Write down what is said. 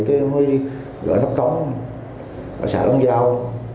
rồi mới gỡ nắp cống ở xã long giao